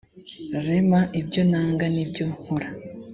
rm ibyo nanga ni byo nkora